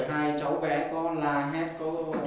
hai cháu bé có la hét không